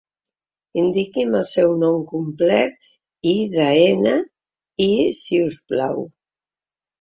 Indiqui'm el seu nom complet i de-ena-i si us plau.